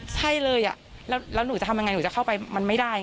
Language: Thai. ใช่เลยแล้วหนูจะทำยังไงหนูจะเข้าไปมันไม่ได้